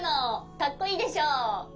かっこいいでしょ。